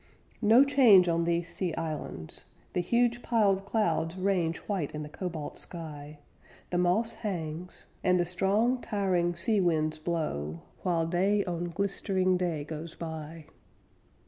No change on these sea islands! The huge piled clouds range White in the cobalt sky; The moss hangs, And the strong, tiring sea winds blow While day on glistering day goes by.